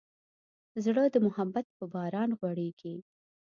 زړه د محبت په باران غوړېږي.